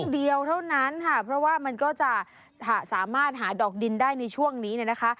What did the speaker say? เดียวเท่านั้นค่ะเพราะว่ามันก็จะสามารถหาดอกดินได้ในช่วงนี้เนี่ยนะคะ